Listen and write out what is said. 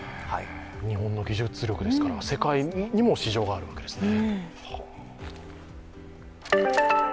日本の技術力ですから、世界にも市場があるわけですね。